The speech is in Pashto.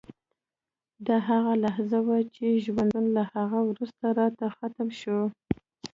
دا هغه لحظه وه چې ژوند له هغه وروسته راته ختم شو